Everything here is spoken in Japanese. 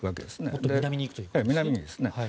もっと南に行くということですね。